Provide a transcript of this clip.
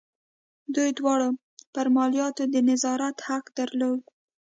دوی دواړو پر مالیاتو د نظارت حق درلود.